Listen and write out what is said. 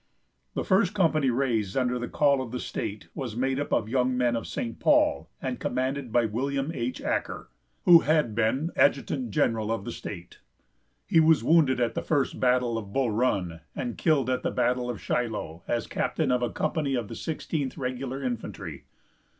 The first company raised under the call of the state was made up of young men of St. Paul, and commanded by William H. Acker, who had been adjutant general of the state. He was wounded at the first battle of Bull Run, and killed at the battle of Shiloh, as captain of a company of the Sixteenth Regular Infantry.